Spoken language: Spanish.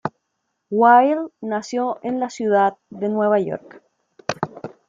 Wild nació en la ciudad de Nueva York.